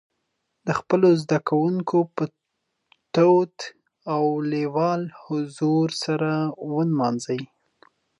د خپلو زدهکوونکو په تود او لېوال حضور سره ونمانځلي.